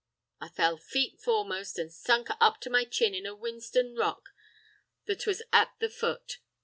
I fell feet foremost, and sunk up to my chin in a whinstone rock that was at the foot.